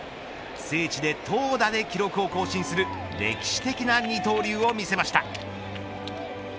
聖地で投打で記録を更新する歴史的な二刀流を見せました。